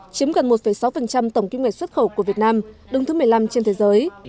chiếm gần một sáu tổng kinh ngạch xuất khẩu của việt nam đứng thứ một mươi năm trên thế giới